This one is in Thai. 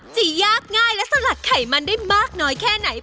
จะยากง่ายและสลัดไขมันได้มากน้อยแค่ไหน